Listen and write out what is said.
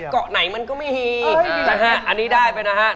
เกาะไหนมันก็ไม่มีนะฮะอันนี้ได้ไปนะฮะ